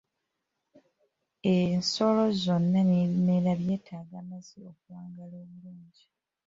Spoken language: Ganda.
Ensolo zonna n'ebimera byetaaga amazzi okuwangaala obulungi.